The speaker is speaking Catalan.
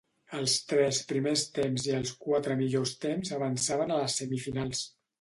Els tres primers temps i els quatre millors temps avançaven a les semifinals.